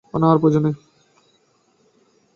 না, তার প্রয়োজন নেই।